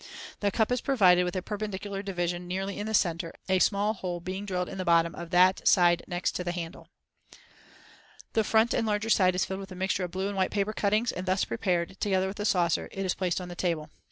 The cup is provided with a perpendicular division nearly in the center, a small hole being drilled in the bottom of that side next the handle (see Fig. 30). Fig. 30. Prepared Cup and Saucer. The front and larger side is filled with a mixture of blue and white paper cuttings, and thus prepared, together with the saucer, it is placed on the table.